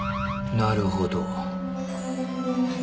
なるほど。